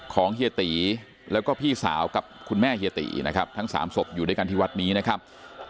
เฮียตีแล้วก็พี่สาวกับคุณแม่เฮียตีนะครับทั้งสามศพอยู่ด้วยกันที่วัดนี้นะครับ